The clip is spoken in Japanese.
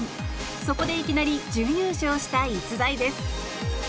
そこでいきなり準優勝した逸材です。